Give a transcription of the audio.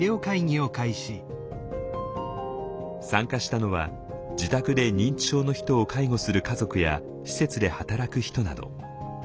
参加したのは自宅で認知症の人を介護する家族や施設で働く人など。